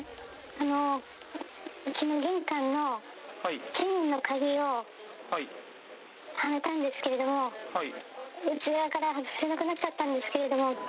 あの、うちの玄関のチェーンの鍵をはめたんですけれども。内側から外せなくなっちゃったんですけれども。